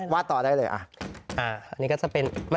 วาดต่อได้เลย